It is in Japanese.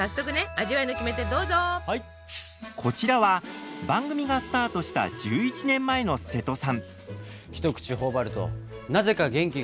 こちらは、番組がスタートした１１年前の瀬戸さん。